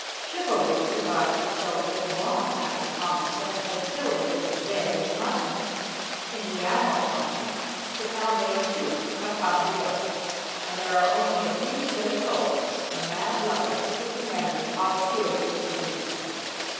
Chivalry survived with children long after common sense had killed it as dead as mutton in the adult mind. But now they, too, have found it out, and there are only a few silly poets and mad 17 242 THE DAY BEFORE YESTERDAY lovers to keep the memory of Quixote green.